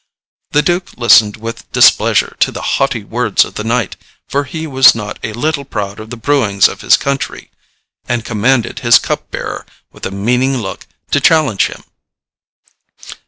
The duke listened with displeasure to the haughty words of the knight, for he was not a little proud of the brewings of his country, and commanded his cup bearer, with a meaning look, to challenge him.